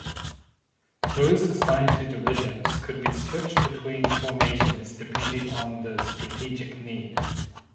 Those assigned to divisions could be switched between formations depending on the strategic need.